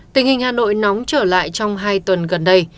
tình hình hà nội nóng trở lại trong hai tuần gần đây